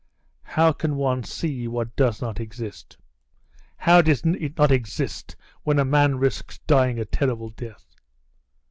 "How can one see what does not exist!" "How does it not exist, when a man risks dying a terrible death?"